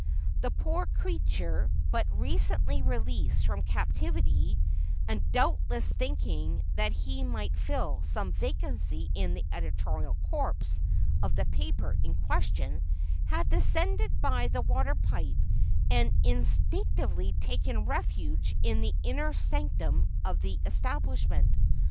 The poor creature, but recently released from captivity, and doubtless thinking that he might fill some vacancy in the editorial corps of the paper in question, had descended by the water pipe and instinctively taken refuge in the inner sanctum of the establishment.